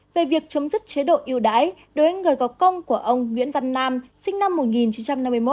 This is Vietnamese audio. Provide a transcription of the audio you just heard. về việc chấm dứt chế độ yêu đái đối với người có công của ông nguyễn văn nam sinh năm một nghìn chín trăm năm mươi một